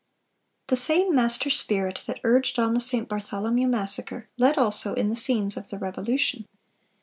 "(398) The same master spirit that urged on the St. Bartholomew Massacre led also in the scenes of the Revolution.